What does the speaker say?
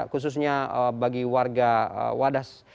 khususnya bagi warga wadas